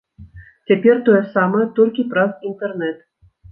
Цяпер тое самае, толькі праз інтэрнэт.